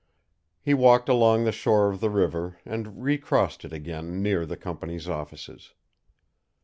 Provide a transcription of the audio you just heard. He walked along the shore of the river and recrossed it again near the company's offices.